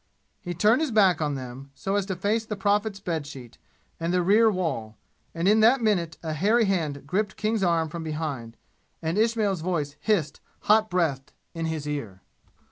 He turned his back on them so as to face the Prophet's bed sheet and the rear wall, and in that minute a hairy hand gripped King's arm from behind, and Ismail's voice hissed hot breathed in his ear.